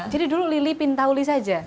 jadi dulu lili pintauli saja